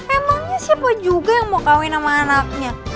emangnya siapa juga yang mau kawin sama anaknya